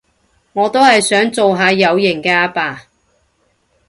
我都係想做下有型嘅阿爸